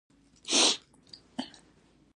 احمد چې شراب وڅښل؛ درنګ ګړۍ له عقله لغړ شو.